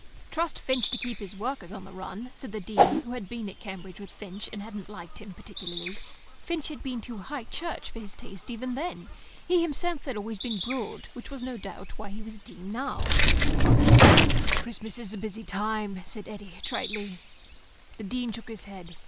"Trust Finch to keep his workers on the run," said the Dean, who had been at Cambridge with Finch, and hadn't liked him particularly. Finch had been too High Church for his taste even then; he himself had always been Broad, which was, no doubt, why he was now a dean. "Christmas is a busy time," said Eddy, tritely. The Dean shook his head.